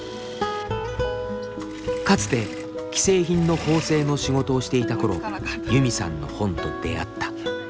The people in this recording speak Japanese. かつて既製品の縫製の仕事をしていたころユミさんの本と出会った。